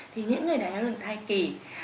thì những người đáy áo đường thai kỷ